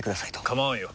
構わんよ。